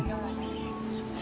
để khai thác du lịch